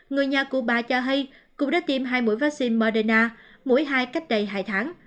người nhà cụ bà cho hay cũng đã tiêm hai mũi vaccine moderna mũi hai cách đầy hai tháng